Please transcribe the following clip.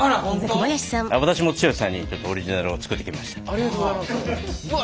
ありがとうございます！